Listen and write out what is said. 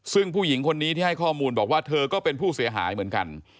ซึ่งผู้หญิงคนนี้ที่ให้ข้อมูลบอกว่าเธอก็เป็นผู้เสียหายเหมือนกัน